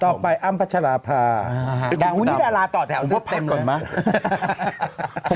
ต่อไปอ้ำพัชรภาอย่างคุณที่ดาราต่อแถวซึ่งเต็มเลย